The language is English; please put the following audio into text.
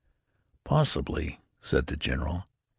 "Possibly," said the general.